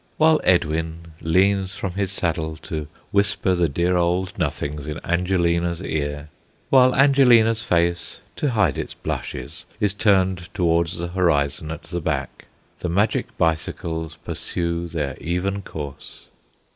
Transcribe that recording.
While Edwin leans from his saddle to whisper the dear old nothings in Angelina's ear, while Angelina's face, to hide its blushes, is turned towards the horizon at the back, the magic bicycles pursue their even course.